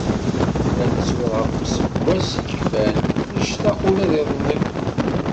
La nettru ɣef useggas yekfan, nectaq ula d iḍelli.